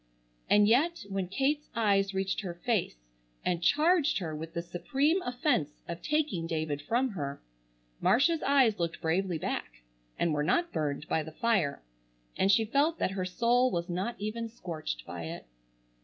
And yet when Kate's eyes reached her face and charged her with the supreme offense of taking David from her, Marcia's eyes looked bravely back, and were not burned by the fire, and she felt that her soul was not even scorched by it.